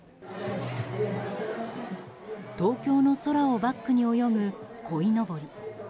東京の空をバックに泳ぐこいのぼり。